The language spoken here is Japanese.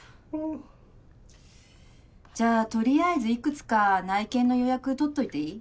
じゃあとりあえずいくつか内見の予約取っといていい？